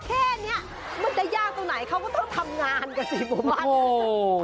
แค่เนี่ยมันจะยากตัวไหนเขาก็ต้องทำงานกับสิหมู่บ้าน